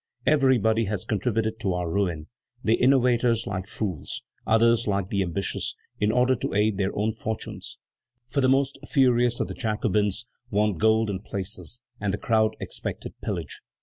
Everybody has contributed to our ruin: the innovators like fools, others like the ambitious, in order to aid their own fortunes; for the most furious of the Jacobins wanted gold and places, and the crowd expected pillage.